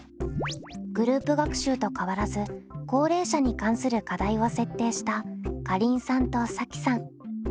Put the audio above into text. グループ学習と変わらず高齢者に関する課題を設定したかりんさんとさきさん。